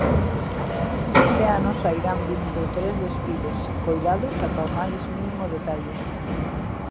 Este ano sairán vinte e tres desfiles, coidados ata o máis mínimo detalle.